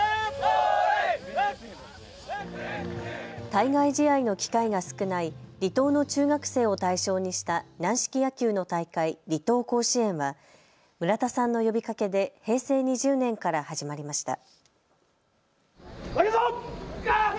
対外試合の機会が少ない離島の中学生を対象にした軟式野球の大会、離島甲子園は村田さんの呼びかけで平成２０年から始まりました。